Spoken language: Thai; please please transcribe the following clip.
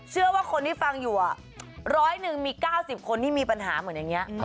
เชื่อว่าคนที่ฟังอยู่๑๐๐บาทมี๙๐คนที่มีปัญหาเหมือนแบบนี้